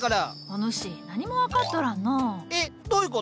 お主何も分かっとらんのう。